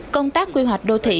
công tác quy hoạch đô thị